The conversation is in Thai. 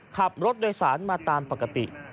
ขับรถโดยสารมาตามปกติ